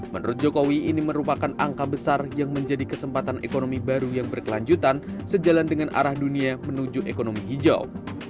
menurut jokowi ini merupakan angka besar yang menjadi kesempatan ekonomi baru yang berkelanjutan sejalan dengan arah dunia menuju ekonomi hijau